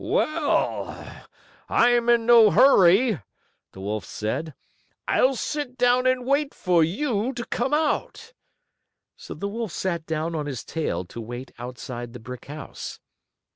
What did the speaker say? "Well, I'm in no hurry," the wolf said. "I'll sit down and wait for you to come out." So the wolf sat down on his tail to wait outside the brick house.